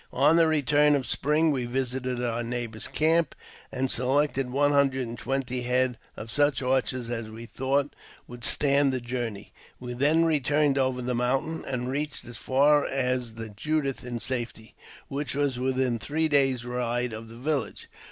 On the return of spring we visited our neighbour's camp, and selected one hundred and twenty head of such horses as we thought would stand the journey. We then returned over the mountain, and reached as far as the Judith in safety, which was within three days' ride of the village.